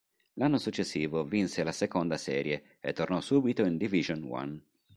L'anno successivo vinse la seconda serie e tornò subito in Division One.